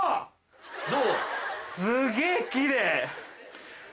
どう？